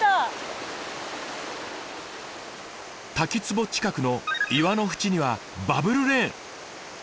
滝つぼ近くの岩の縁にはバブルレーン。